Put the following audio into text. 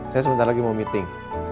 saya sebentar lagi mau meeting